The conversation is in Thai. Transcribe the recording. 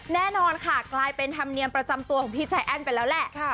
แน่นอนค่ะกลายเป็นธรรมเนียมประจำตัวของพี่ใจแอ้นไปแล้วแหละ